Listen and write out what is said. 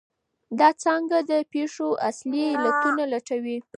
دا څانګه د پېښو اصلي علتونه لټوي.